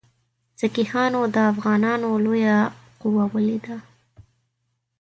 سیکهانو د افغانانو لویه قوه ولیده.